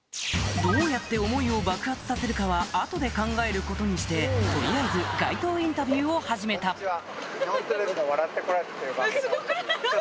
どうやって想いを爆発させるかは後で考えることにして取りあえず街頭インタビューを始めたで。